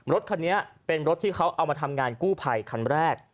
รถคันนี้เป็นรถที่เขาเอามาทำงานกู้ภัยคันแรก